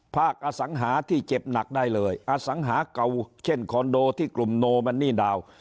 อสังหาที่เจ็บหนักได้เลยอสังหาเก่าเช่นคอนโดที่กลุ่มโนมันนี่ดาว